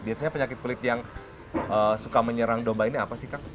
biasanya penyakit kulit yang suka menyerang domba ini apa sih kang